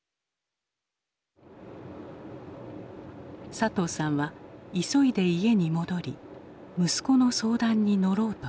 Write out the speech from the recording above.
佐藤さんは急いで家に戻り息子の相談に乗ろうとした。